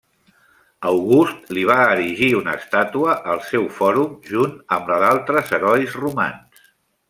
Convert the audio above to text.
August li va erigir una estàtua al seu fòrum junt amb la d'altres herois romans.